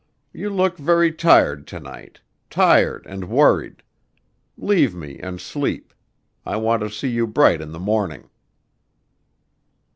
You look very tired to night, tired and worried. Leave me and sleep. I want to see you bright in the morning."